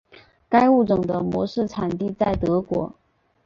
该物种的模式产地在德国。